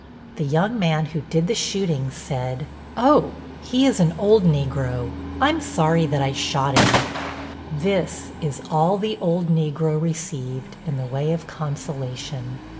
The young man who did the shooting said: "Oh, he is an old Negro. I'm sorry that I shot him." This is all the old Negro received in the way of consolation.